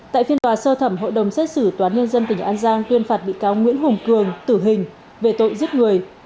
tại phiên tòa sơ thẩm hội đồng xét xử toán nhân dân tỉnh an giang tuyên phạt bị cáo nguyễn hùng cường tử hình về tội giết người